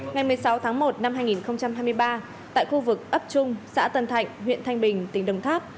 ngày một mươi sáu tháng một năm hai nghìn hai mươi ba tại khu vực ấp trung xã tân thạnh huyện thanh bình tỉnh đồng tháp